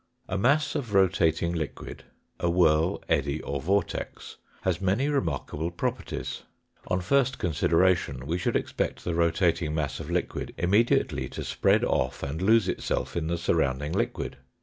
A mass of rotating liquid, a whirl, eddy, or vortex, has many remarkable properties. On first consideration we should expect the rotating mass of liquid immediately to spread off and lose itself in the surrounding liquid.